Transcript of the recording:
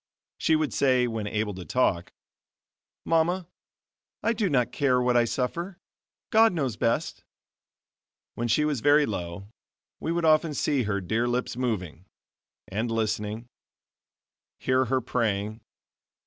She would say, when able to talk: "Mama, I do not care what I suffer, God knows best." When she was very low, we would often see her dear lips moving, and listening, hear her praying.